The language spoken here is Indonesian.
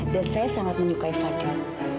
dan saya sangat menyukai fadil